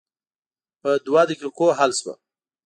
په دوه دقیقو حل شوه.